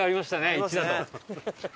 「１」だと。